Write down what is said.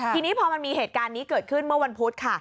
ทีนี้พอมันมีเหตุการณ์นี้เกิดขึ้นเมื่อวันพุธค่ะ